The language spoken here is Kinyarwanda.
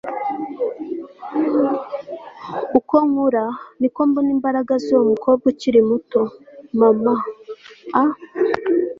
uko nkura, niko mbona imbaraga z'uwo mukobwa ukiri muto, mama. a